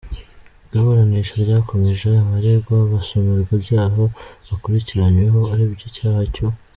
Iburanisha ryakomeje abaregwa basomerwa ibyaha bakurikiranyweho aribyo icyaha cyo.